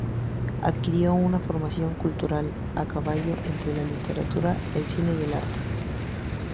Adquirió una formación cultural a caballo entre la literatura, el cine y el arte.